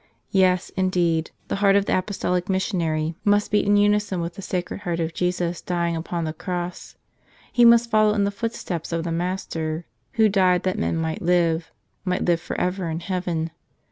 Yes, indeed; the heart of the apostolic missionary 45 "Tell Us Another !" must beat in unison with the Sacred Heart of Jesus dying upon the cross. He must follow in the footsteps of the Master Who died that men might live — might live forever in heaven.